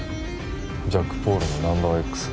ジャックポールの「ナンバーＸ」